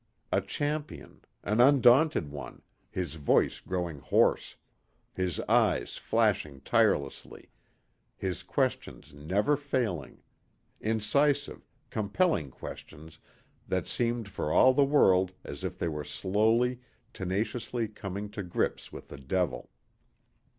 A Champion, an Undaunted One, his voice growing hoarse, his eyes flashing tirelessly, his questions never failing; incisive, compelling questions that seemed for all the world as if they were slowly, tenaciously coming to grips with the Devil.